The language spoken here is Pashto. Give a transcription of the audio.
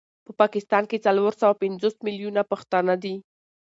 په پاکستان کي څلور سوه پنځوس مليونه پښتانه دي